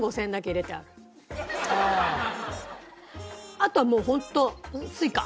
あとはもうホントＳｕｉｃａ。